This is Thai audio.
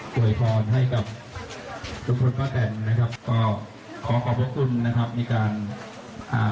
ปล่อยพรให้กับลุงพลกับป้าแตนนะครับขอขอบคุณนะครับในการอ่า